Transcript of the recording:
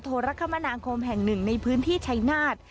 โทรคมนาคมแห่งหนึ่งในพื้นที่ชัยนาธ